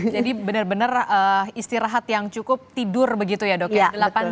jadi benar benar istirahat yang cukup tidur begitu ya dok ya